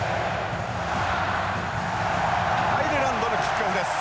アイルランドのキックオフです。